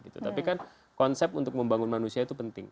tapi kan konsep untuk membangun manusia itu penting